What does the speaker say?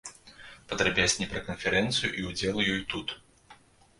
Падрабязней пра канферэнцыю і ўдзел у ёй тут.